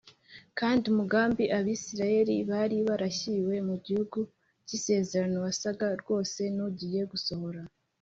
kandi umugambi abisirayeli bari barashyiriwe mu gihugu cy’isezerano wasaga rwose n’ugiye gusohora.